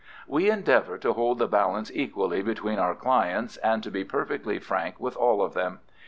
"We endeavour to hold the balance equally between our clients, and to be perfectly frank with all of them.